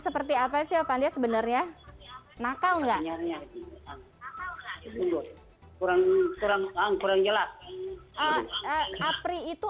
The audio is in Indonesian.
seperti apa sih opan dia sebenarnya nakal nggak nyarinya kurang kurang kurang jelas apri itu